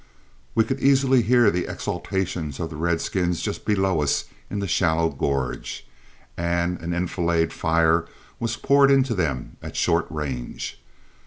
We could easily hear the exultations of the redskins just below us in the shallow gorge, and an enfilade fire was poured into them at short range.